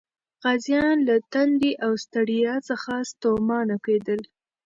غازیان له تندې او ستړیا څخه ستومانه کېدل.